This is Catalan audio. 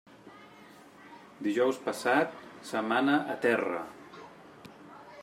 Dijous passat, setmana a terra.